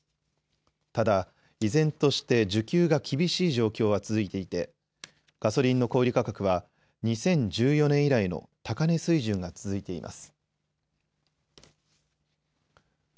ただ、依然として需給が厳しい状況は続いていてガソリンの小売価格は２０１４年以来の高値水準が続いています。